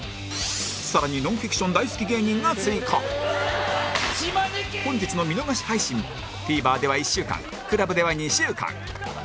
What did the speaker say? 更にノンフィクション大好き芸人が追加本日の見逃し配信も ＴＶｅｒ では１週間 ＣＬＵＢ では２週間